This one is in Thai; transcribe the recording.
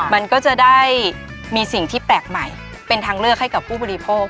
มันก็จะได้มีสิ่งที่แปลกใหม่เป็นทางเลือกให้กับผู้บริโภค